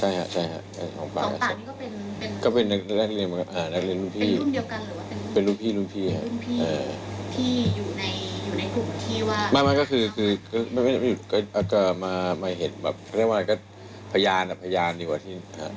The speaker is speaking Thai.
เห็นมันมีประเด็นเผลอมาใหม่ว่าเมย์หรือลักษะหรืออย่างนี้